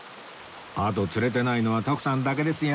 あと釣れてないのは徳さんだけですよ